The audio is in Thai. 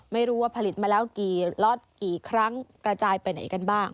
ไม่รู้ว่าผลิตมาแล้วกี่ล็อตกี่ครั้งกระจายไปไหนกันบ้าง